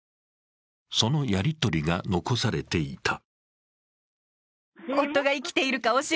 そのやりとりが残されていた。